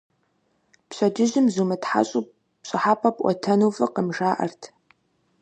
Пщэдджыжьым зумытхьэщӀу пщӀыхьэпӀэ пӀуэтэну фӀыкъым, жаӀэрт.